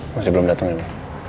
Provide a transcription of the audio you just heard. masih belum datang ini